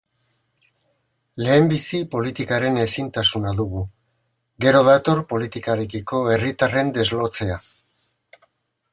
Lehenbizi politikaren ezintasuna dugu, gero dator politikarekiko herritarren deslotzea.